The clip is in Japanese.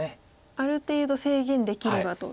ある程度制限できればと。